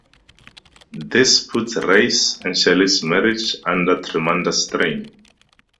This puts Rhys and Shelley's marriage under tremendous strain.